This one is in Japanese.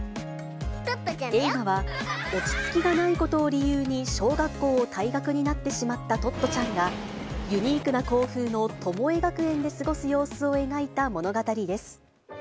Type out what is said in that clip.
映画は、落ち着きがないことを理由に小学校を退学になってしまったトットちゃんが、ユニークな校風のトモエ学園で過ごす様子を描いた物語です。